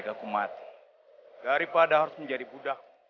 gak daripada harus menjadi buddha